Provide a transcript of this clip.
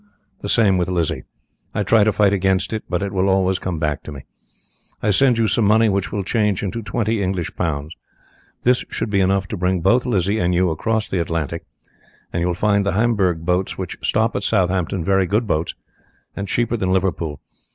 The same with Lizzie. I try to fight against it, but it will always come back to me. I send you some money which will change into twenty English pounds. This should be enough to bring both Lizzie and you across the Atlantic, and you will find the Hamburg boats which stop at Southampton very good boats, and cheaper than Liverpool.